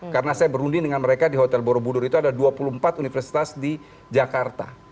karena saya berunding dengan mereka di hotel borobudur itu ada dua puluh empat universitas di jakarta